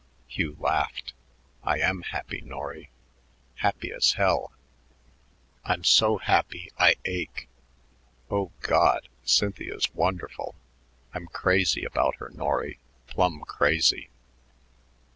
Hugh laughed. "I am happy, Norry, happy as hell. I'm so happy I ache. Oh, God, Cynthia's wonderful. I'm crazy about her, Norry plumb crazy."